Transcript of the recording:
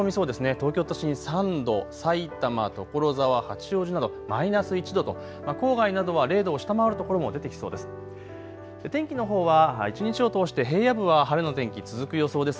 東京都心３度、埼玉、所沢、八王子などマイナス１度と郊外などは０度を下回る所も出てきそうです。